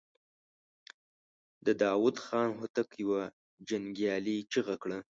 د داوود خان هوتک يوه جنګيالې چيغه کړه.